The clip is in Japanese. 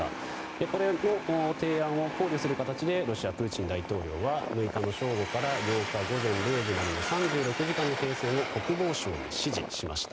これの提案を考慮する形でロシア、プーチン大統領は６日の正午から８日午前０時までの３６時間の停戦を国防省に指示しました。